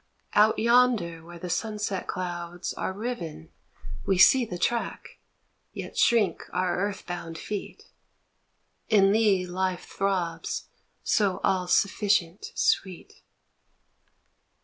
Out yonder where the sunset clouds are riven We see the track, yet shrink our earth bound feet, In thee life throbs so all sufficient sweet